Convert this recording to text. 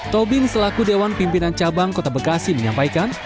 tobing selaku dewan pimpinan cabang kota bekasi menyampaikan